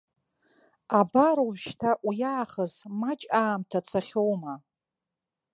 Абар ожәшьҭа уи аахыс маҷ аамҭа цахьоума.